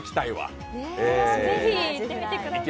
これはぜひ行ってみてください。